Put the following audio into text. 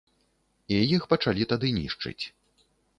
І іх пачалі тады нішчыць.